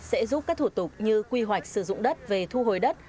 sẽ giúp các thủ tục như quy hoạch sử dụng đất về thu hồi đất